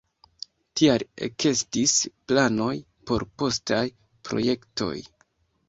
Tial ekestis planoj por postaj projektoj.